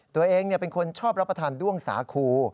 ตัวเองเป็นคนชอบรับประทานด้วงสาคู